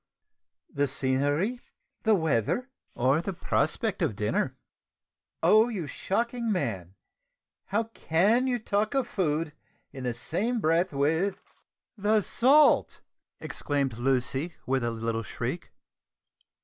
said Hector, "the scenery, the weather, or the prospect of dinner?" "Oh! you shocking man, how can you talk of food in the same breath with " "The salt!" exclaimed Lucy with a little shriek.